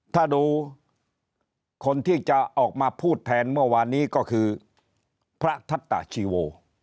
ถ้าดูคนที่จะออกมาพูดแทนเมื่อวานนี้ก็คือพระทัตตาชีโว